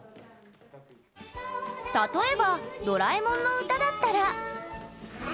例えば「ドラえもんのうた」だったら。